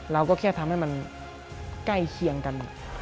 เราก็แค่ทำให้มันใกล้เคียงกัน